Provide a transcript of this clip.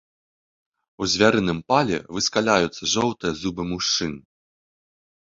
У звярыным пале выскаляюцца жоўтыя зубы мужчын.